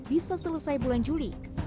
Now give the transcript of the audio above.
bisa selesai bulan juli